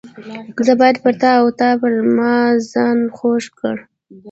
زه باید پر تا او ته پر ما ځان خوږ کړې.